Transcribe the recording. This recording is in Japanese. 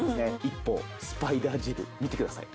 一方スパイダージェル見てください。